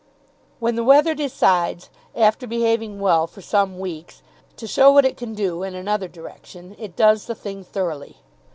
When the weather decides, after behaving well for some weeks, to show what it can do in another direction, it does the thing thoroughly.